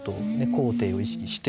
高低を意識して。